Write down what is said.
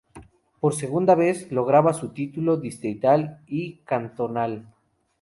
Por segunda vez lograba su título distrital y cantonal.